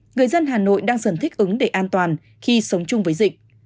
người dân hà nội đang dần thích ứng để an toàn khi sống chung với dịch